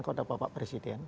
kau ada bapak presiden